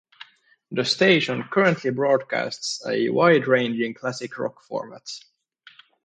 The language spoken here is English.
The station currently broadcasts a wide-ranging classic rock format.